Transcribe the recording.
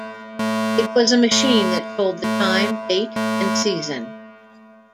It was a machine that told the time, date, and season.